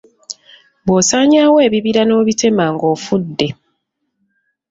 Bw’osaanyaawo ebibira n’obitema ng’ofudde.